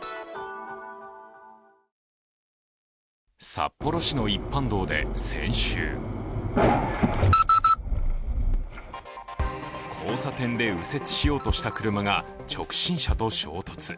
札幌市の一般道で先週交差点で右折しようとした車が直進車と衝突。